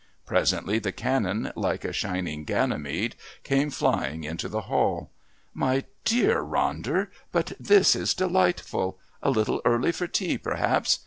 Presently the Canon, like a shining Ganymede, came flying into the hall. "My dear Ronder! But this is delightful. A little early for tea, perhaps.